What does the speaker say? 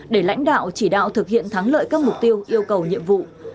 để lãnh đạo chỉ đạo thực hiện thắng lợi các mục tiêu yêu cầu nhiệm vụ